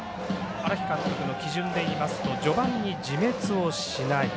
荒木監督の基準でいいますと序盤に自滅をしない。